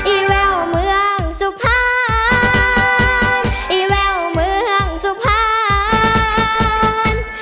อีเวลเมืองสุภัณฑ์อีเวลเมืองสุภัณฑ์